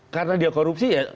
karena dia korupsi ya